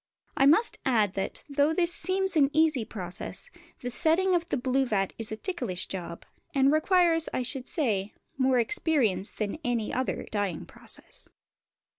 I must add that, though this seems an easy process, the setting of the blue vat is a ticklish job, and requires, I should say, more experience than any other dyeing process.